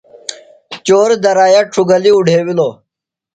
چور درائِیا ڇُھوگلیۡ اُڈھیوِلوۡ۔